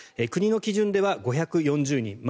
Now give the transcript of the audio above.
国の基準では５４０人